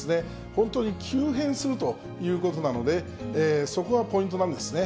本当に急変するということなので、そこがポイントなんですね。